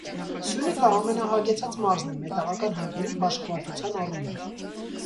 Սյունիքը ամենահագեցած մարզն է մետաղական հանքերի բաշխվածության առումով։